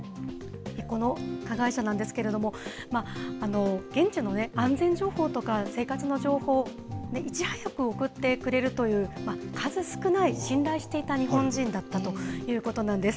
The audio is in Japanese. この加害者なんですけれども、現地の安全情報とか、生活の情報、いち早く送ってくれるという、数少ない信頼していた日本人だったということなんです。